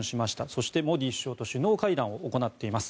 そして、モディ首相と首脳会談を行っています。